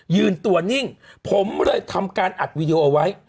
ยืนตัวนิ่งผมเลยทำการอัดวีดีโอเอาไว้